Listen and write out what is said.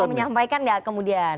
mau menyampaikan gak kemudian